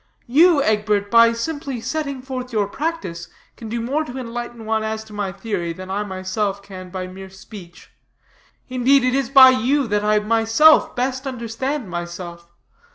You, Egbert, by simply setting forth your practice, can do more to enlighten one as to my theory, than I myself can by mere speech. Indeed, it is by you that I myself best understand myself.